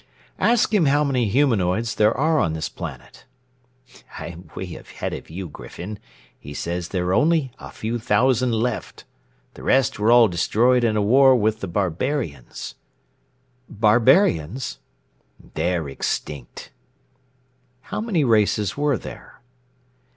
"Ask him how many humanoids there are on this planet." "I'm way ahead of you, Griffin. He says there are only a few thousand left. The rest were all destroyed in a war with the barbarians." "Barbarians?" "They're extinct." "How many races were there?"